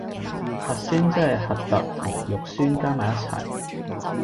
核酸即係核突同肉酸加埋一齊